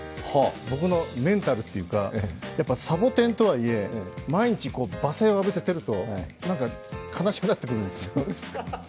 僕のメンタルというか、サボテンとはいえ、毎日罵声を浴びせていると、何か悲しくなってくるんですよ。